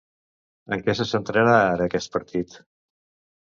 En què se centrarà ara aquest partit?